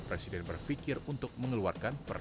presiden berpikir untuk mengeluarkan